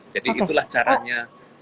jadi itulah caranya